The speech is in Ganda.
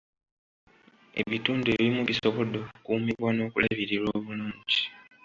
Ebitundu ebimu bisobodde okukuumibwa n'okulabirirwa obulungi.